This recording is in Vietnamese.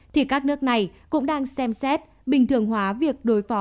thì các nước này cũng đang xem xét bình thường hóa việc đối phó